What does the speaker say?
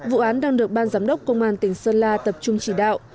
vụ án đang được ban giám đốc công an tỉnh sơn la tập trung chỉ đạo